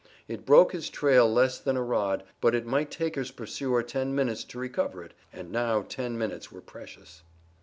It broke his trail less than a rod, but it might take his pursuer ten minutes to recover it, and now ten minutes were precious.